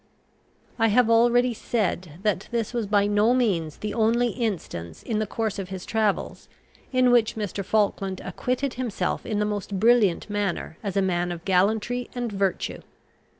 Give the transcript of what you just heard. I have already said that this was by no means the only instance, in the course of his travels, in which Mr. Falkland acquitted himself in the most brilliant manner as a man of gallantry and virtue.